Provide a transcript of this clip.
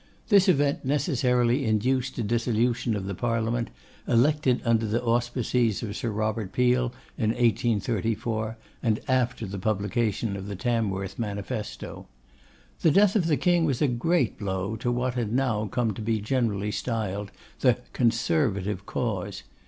This event necessarily induced a dissolution of the Parliament, elected under the auspices of Sir Robert Peel in 1834, and after the publication of the Tamworth Manifesto. The death of the King was a great blow to what had now come to be generally styled the 'Conservative Cause.